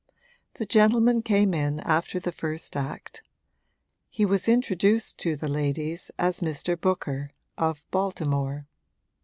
The gentleman came in after the first act; he was introduced to the ladies as Mr. Booker, of Baltimore.